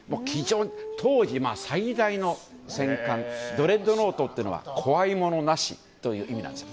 当時、最大の戦艦「ドレッドノート」というのは怖いものなしという意味なんです。